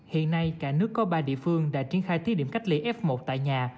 hiện nay cả nước có ba địa phương đã triển khai thí điểm cách ly f một tại nhà